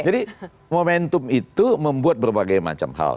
jadi momentum itu membuat berbagai macam hal